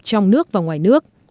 trong nước và ngoài nước